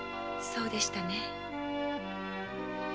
そうでしたね。